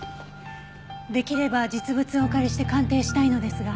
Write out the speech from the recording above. できれば実物をお借りして鑑定したいのですが。